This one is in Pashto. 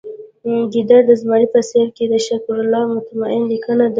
ګیدړ د زمري په څیره کې د شکرالله مطمین لیکنه ده